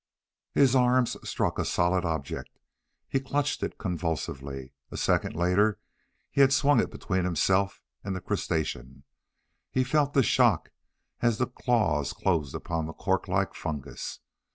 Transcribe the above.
His arms struck a solid object. He clutched it convulsively. A second later he had swung it between himself and the crustacean. He felt the shock as the claws closed upon the cork like fungus.